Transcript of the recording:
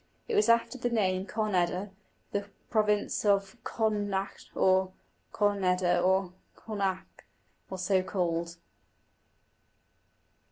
It was after the name Conn eda the province of Connaucht, or Conneda, or Connacht, was so called.